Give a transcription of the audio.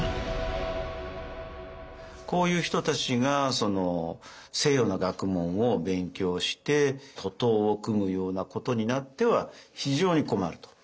こういう人たちが西洋の学問を勉強して徒党を組むようなことになっては非常に困ると。